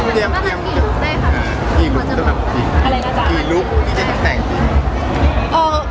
กี่กลุ๊กสำหรับกิน